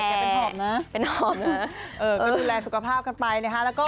ถือนั่นแหละเป็นหอมนะเออก็ดูแลสุขภาพกันไปนะคะ